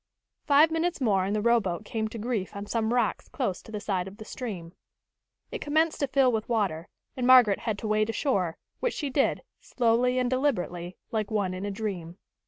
Five minutes more and the rowboat came to grief on some rocks close to the side of the stream. It commenced to fill with water, and Margaret had to wade ashore, which she did, slowly and deliberately, like one in a dream.